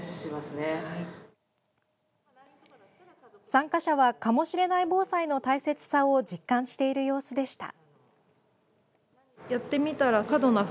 参加者は「かもしれない防災」の大切さを実感している様子でした。